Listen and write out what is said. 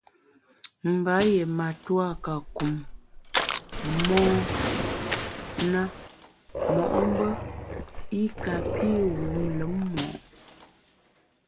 Mba yié matua ka kum mon na mo’mbe i kapi wum lùm mo’.